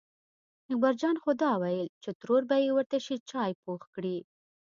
اکبر جان خو دا وېل چې ترور به یې ورته شېرچای پوخ کړي.